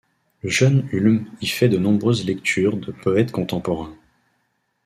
Le jeune Hulme y fait de nombreuses lectures de poètes contemporains.